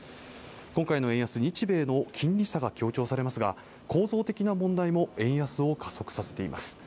今回の円安は日米の金利差が強調されますが構造的な問題も円安を加速させています